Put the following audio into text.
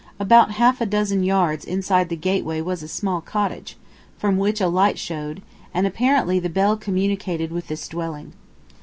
About half a dozen yards inside the gateway was a small cottage, from which a light showed, and apparently the bell communicated with this dwelling.